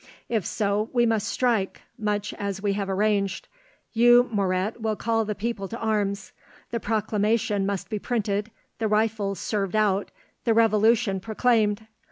If so we must strike, much as we have arranged. You, Moret, will call the people to arms. The Proclamation must be printed, the rifles served out, the Revolution proclaimed.